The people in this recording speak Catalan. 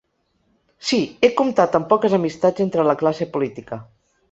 Sí, he comptat amb poques amistats entre la classe política.